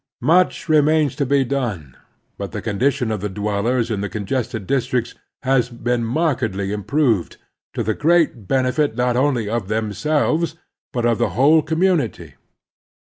Much remains to be done, but the condition of the dwellers in the congested districts has been 294 The Strenuous Life markedly improved, to the great benefit not only of themselves, but of the whole community.